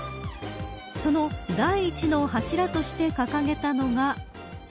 その第１の柱として掲げたのが。